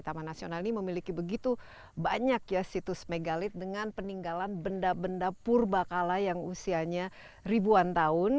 taman nasional ini memiliki begitu banyak ya situs megalit dengan peninggalan benda benda purba kala yang usianya ribuan tahun